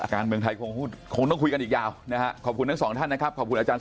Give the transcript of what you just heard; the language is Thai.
การเมืองไทยคงต้องคุยกันอีกยาวขอบคุณทั้งสองท่านนะครับ